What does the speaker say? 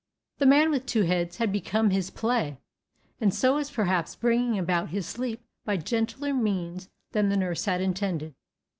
The man with two heads had become his play, and so was perhaps bringing about his sleep by gentler means than the nurse had intended.